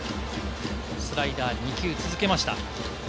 スライダー、２球続けました。